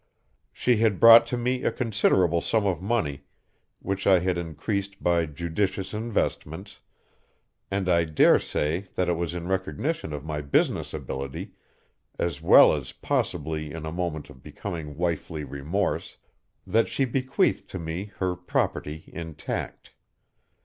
She had brought to me a considerable sum of money, which I had increased by judicious investments, and I dare say that it was in recognition of my business ability, as well as possibly in a moment of becoming wifely remorse, that she bequeathed to me her property intact.